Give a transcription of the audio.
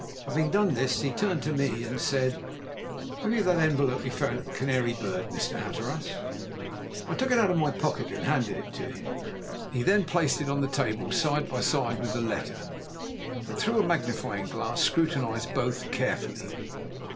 Having done this he turned to me and said: "Have you that envelope we found at the Canary Bird, Mr. Hatteras?" I took it out of my pocket and handed it to him. He then placed it on the table side by side with the letter, and through a magnifying glass scrutinized both carefully.